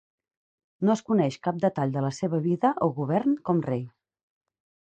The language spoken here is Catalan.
No es coneix cap detall de la seva vida o govern com rei.